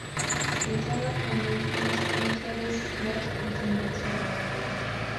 Später kam Multi-Instrumentalist Matt Eaton dazu.